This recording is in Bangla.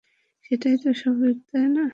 সেটাই তো স্বাভাবিক, তাই না?